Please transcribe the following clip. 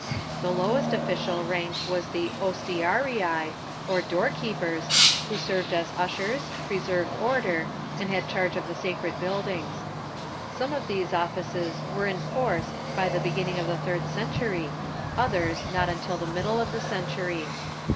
The lowest official rank was the ostiarii, or doorkeepers, who served as ushers, preserved order, and had charge of the sacred buildings. Some of these offices were in force by the beginning of the third century, others not until the middle of the century.